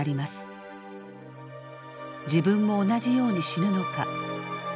自分も同じように死ぬのか。